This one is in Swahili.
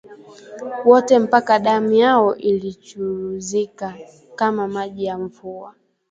wote mpaka damu yao ichuruzike kama maji ya mvua